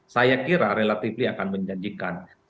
saya kira relatifly akan menjanjikan